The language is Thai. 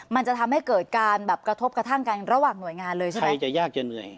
มันจะทำให้เกิดการแบบกระทบกระทั่งกันระหว่างหน่วยงานเลยใช่ไหมใครจะยากจะเหนื่อย